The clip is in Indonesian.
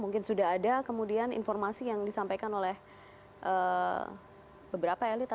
mungkin sudah ada kemudian informasi yang disampaikan oleh beberapa elit